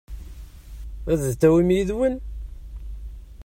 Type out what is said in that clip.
Ad t-tawim yid-wen?